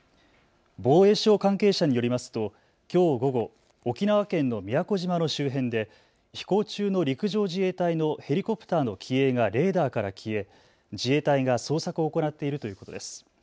防衛省関係者によりますときょう午後、沖縄県の宮古島の周辺で飛行中の陸上自衛隊のヘリコプターの機影がレーダーから消え自衛隊が捜索を行っているということです。